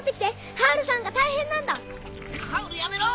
ハウルやめろ！